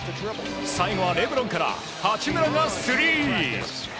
最後はレブロンから八村がスリー！